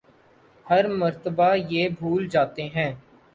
ہر مرتبہ یہ بھول جاتے ہیں